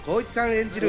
演じる